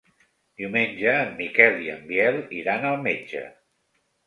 Diumenge en Miquel i en Biel iran al metge.